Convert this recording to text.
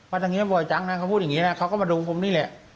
ทางนี้บ่อยจังนะเขาพูดอย่างนี้นะเขาก็มาดูผมนี่แหละ